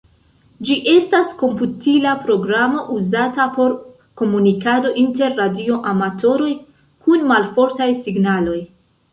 Ĝi estas komputila programo uzata por komunikado inter radio-amatoroj kun malfortaj signaloj.